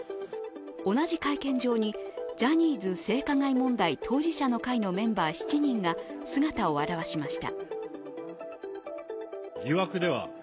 同じ会見場にジャニーズ性加害問題当事者の会のメンバー７人が姿を現しました。